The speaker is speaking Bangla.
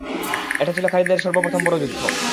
এটা ছিল খালিদের সর্বপ্রথম বড় যুদ্ধ।